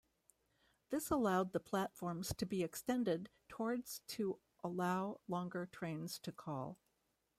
This allowed the platforms to be extended towards to allow longer trains to call.